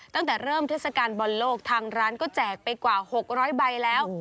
ตั้งแต่เริ่มเทศกาลบอลโลกทางร้านก็แจกไปกว่า๖๐๐ใบแล้ว